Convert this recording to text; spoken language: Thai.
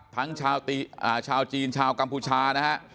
ทั้งชาวจีนชาวกัมพูชา